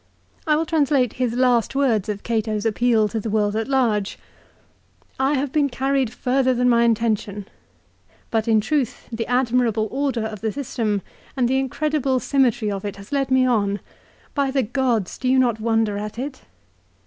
I will translate his last words of Cato's appeal to the world at large. " I have been 1 De Finibus, lib. ii. ca. xxx. CICERO'S PHILOSOPHY. 349 carried further than my intention. But in truth the admir able order of the system and the incredible symmetry of it has led me on. By the gods, do you not wonder at it